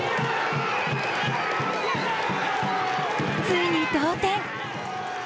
ついに同点。